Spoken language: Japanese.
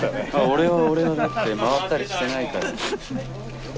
俺は俺はだって回ったりしてないから。